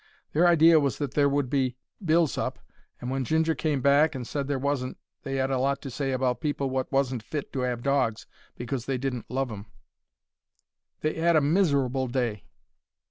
Their idea was that there would be bills up, and when Ginger came back and said there wasn't, they 'ad a lot to say about people wot wasn't fit to 'ave dogs because they didn't love 'em. They 'ad a miserable day.